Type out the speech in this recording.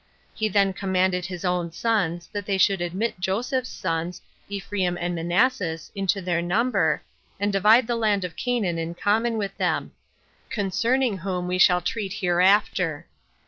He then commanded his own sons that they should admit Joseph's sons, Ephraim and Manasses, into their number, and divide the land of Canaan in common with them; concerning whom we shall treat hereafter.